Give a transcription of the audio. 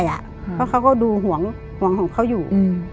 เพราะเขาก็ดูห่วงของเขาอยู่